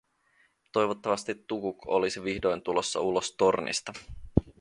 Toivottavasti Tukuk olisi vihdoin tulossa ulos tornista.